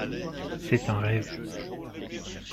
C’est un rêve